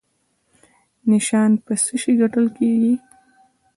نشان په څه شي ګټل کیږي؟